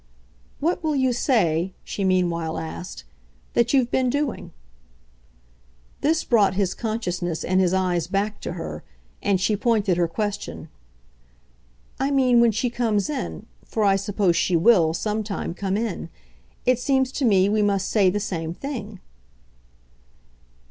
"What will you say," she meanwhile asked, "that you've been doing?" This brought his consciousness and his eyes back to her, and she pointed her question. "I mean when she comes in for I suppose she WILL, some time, come in. It seems to me we must say the same thing."